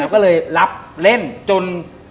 ก็เลยรับเล่นจน